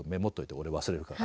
俺忘れるから。